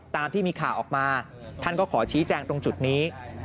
ตามที่มีข่าวออกมาท่านก็ขอชี้แจงตรงจุดนี้